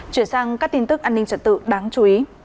chuyển sang các tin tức an ninh trật tự đáng chú ý